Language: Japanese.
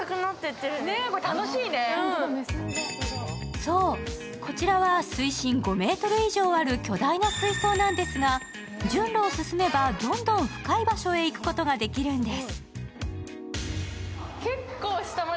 そう、こちらは水深５ｍ以上ある巨大な水槽なんですが順路を進めばどんどん深い場所へ行くことができるんです。